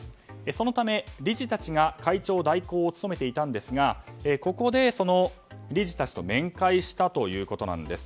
そのため理事たちが会長代行を務めていたんですがここで、その理事たちと面会したということです。